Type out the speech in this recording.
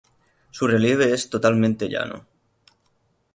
Su relieve es totalmente llano.